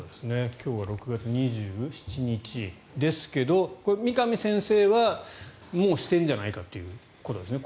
今日が６月２７日ですが三上先生はもうしてるんじゃないかということですね。